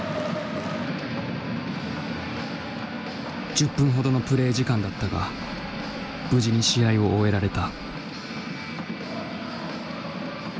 １０分ほどのプレー時間だったが無事に試合を終えられた。